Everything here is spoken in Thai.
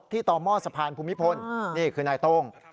ต่อหม้อสะพานภูมิพลนี่คือนายโต้ง